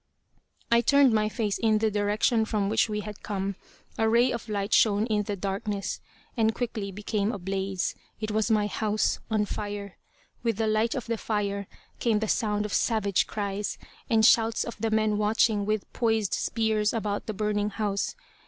I turned my face in the direction from which we had come. A ray of light shone in the darkness, and quickly became a blaze. It was my house on fire. With the light of the fire came the sound of savage cries, the shouts of the men watching with poised spears about the burning house.